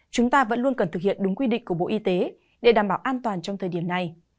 chúng ta vẫn luôn cần thực hiện đúng quy định của bộ y tế để đảm bảo an toàn trong thời điểm này